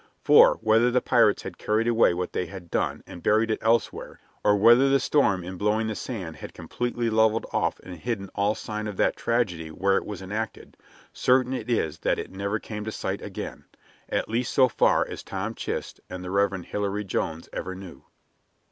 For, whether the pirates had carried away what they had done and buried it elsewhere, or whether the storm in blowing the sand had completely leveled off and hidden all sign of that tragedy where it was enacted, certain it is that it never came to sight again at least so far as Tom Chist and the Rev. Hilary Jones ever knew.